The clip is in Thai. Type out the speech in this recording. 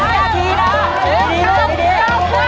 ทำขาดมากเลย